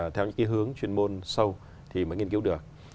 theo những hướng chuyên môn sâu thì mới nghiên cứu được